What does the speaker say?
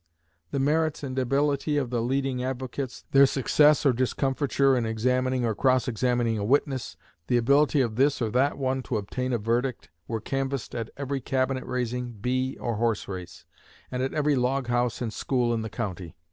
The merits and ability of the leading advocates, their success or discomfiture in examining or cross examining a witness, the ability of this or that one to obtain a verdict, were canvassed at every cabin raising, bee, or horse race, and at every log house and school in the county.